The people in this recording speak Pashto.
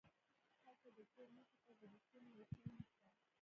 هلته د کور مخې ته د لیکونو ویشل نشته